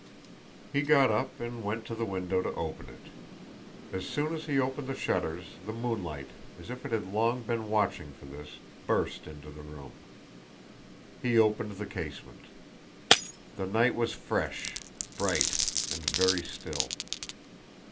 He got up and went to the window to open it. As soon as he opened the shutters the moonlight, as if it had long been watching for this, burst into the room. He opened the casement. The night was fresh, bright, and very still.